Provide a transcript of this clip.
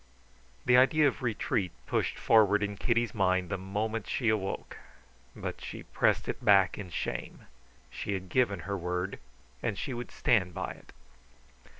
The idea of retreat pushed forward in Kitty's mind the moment she awoke; but she pressed it back in shame. She had given her word, and she would stand by it.